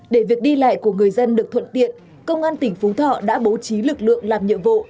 để việc đi lại của người dân được thuận tiện công an tỉnh phú thọ đã bố trí lực lượng làm nhiệm vụ